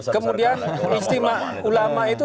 kemudian istimewa ulama itu